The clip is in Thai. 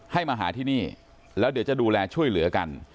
ให้มาหาที่นี่แล้วเดี๋ยวจะดูแลช่วยเหลือกัน